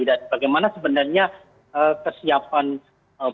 dan bagaimana sebenarnya kesiapan polda jawa tengah